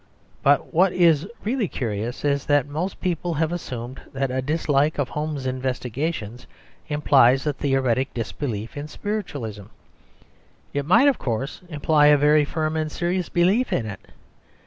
But what is really curious is that most people have assumed that a dislike of Home's investigations implies a theoretic disbelief in spiritualism. It might, of course, imply a very firm and serious belief in it.